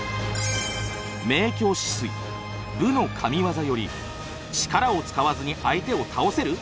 「明鏡止水武のＫＡＭＩＷＡＺＡ」より「力を使わずに相手を倒せる！？